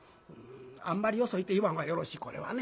あんまりよそ行って言わん方がよろしいこれはね。